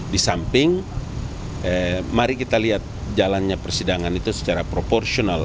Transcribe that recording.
di samping mari kita lihat jalannya persidangan itu secara proporsional